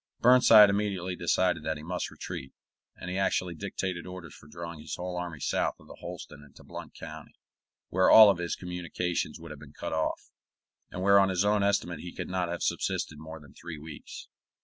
Burnside immediately decided that he must retreat; and he actually dictated orders for drawing his whole army south of the Holston into Blount County, where all his communications would have been cut off, and where on his own estimate he could not have subsisted more than three weeks.